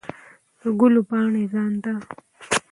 د ګلو پاڼې ځان ته